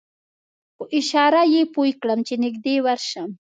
په اشاره یې پوی کړم چې نږدې ورشم.